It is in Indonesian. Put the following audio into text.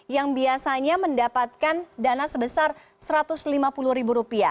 yang biasanya mendapatkan dana sebesar rp satu ratus lima puluh ribu rupiah